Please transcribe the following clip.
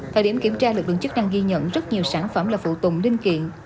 thời điểm kiểm tra lực lượng chức năng ghi nhận rất nhiều sản phẩm là phụ tùng linh kiện